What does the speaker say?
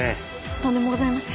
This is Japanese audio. とんでもございません。